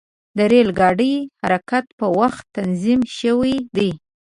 د ریل ګاډي حرکت په وخت تنظیم شوی دی.